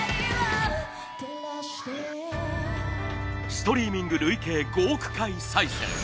ストリーミング累計５億回再生！